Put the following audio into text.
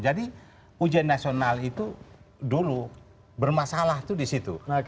jadi ujian nasional itu dulu bermasalah itu disitu